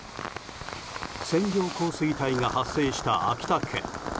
線状降水帯が発生した秋田県。